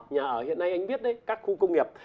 nhà ở hiện nay anh biết đấy các khu công nghiệp